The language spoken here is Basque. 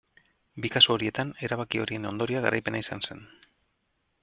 Bi kasu horietan erabaki horien ondorioa garaipena izan zen.